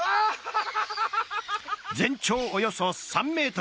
全長およそ３ｍ。